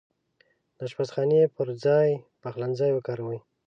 د اشپزخانې پرځاي پخلنځای وکاروئ